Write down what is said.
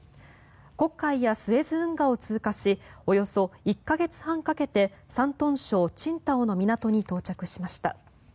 黒海やスエズ運河を通過しおよそ１か月半かけて山東省青島の港に到着しました。